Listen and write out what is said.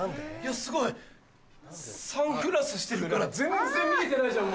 すごい！サングラスしてるから全然見えてないじゃん。